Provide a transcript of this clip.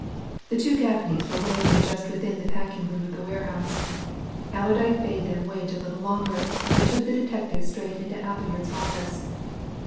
The two Gaffneys were waiting just within the packingroom of the warehouse. Allerdyke bade them wait a little longer, and took the detective straight into Appleyard's office.